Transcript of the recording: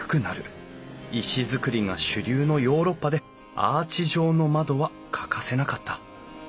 石造りが主流のヨーロッパでアーチ状の窓は欠かせなかった。